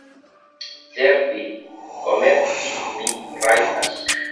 Certe, komerci mi rajtas.